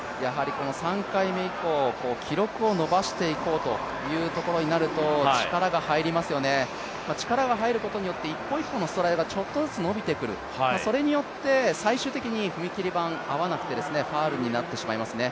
３回目以降、記録を伸ばしていこうというところになると力が入りますよね、力が入ることによって一歩一歩のストライドがちょっとずつ伸びてくる、それによって最終的に踏み切り板に合わなくてファウルになってきますね。